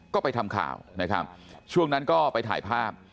ก็ไปทำข่าวนะครับช่วงนั้นก็ไปถ่ายภาพ